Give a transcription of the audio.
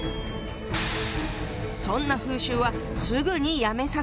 そんな風習はすぐにやめさせなきゃ！